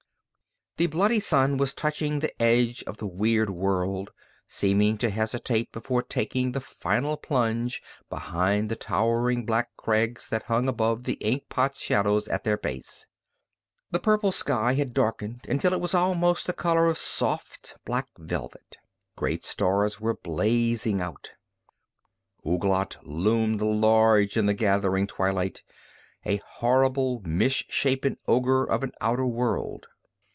The bloody sun was touching the edge of the weird world, seeming to hesitate before taking the final plunge behind the towering black crags that hung above the ink pot shadows at their base. The purple sky had darkened until it was almost the color of soft, black velvet. Great stars were blazing out. Ouglat loomed large in the gathering twilight, a horrible misshapen ogre of an outer world.